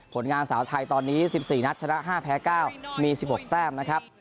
ผลงานสาวไทยตอนนี้๑๔นัดชนะ๕แพ้๙มี๑๖แต้มนะครับ